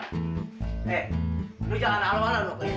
eh lu jangan aloh aloh nuk